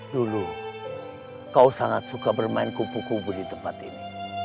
dulu kau sangat suka bermain kupu kupu di tempat ini